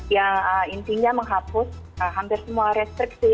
yang intinya menghapus hampir semua restriksi